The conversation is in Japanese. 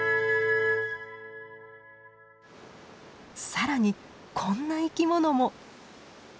更にこんな生き物も！